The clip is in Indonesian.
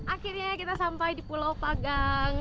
akhirnya kita sampai di pulau pagang